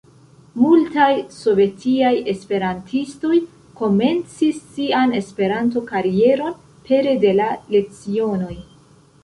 Multaj sovetiaj esperantistoj komencis sian Esperanto-karieron pere de la lecionoj.